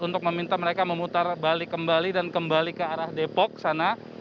untuk meminta mereka memutar balik kembali dan kembali ke arah depok sana